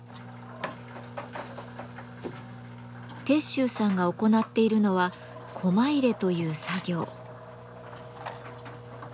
鉄舟さんが行っているのはコマ入れという作業。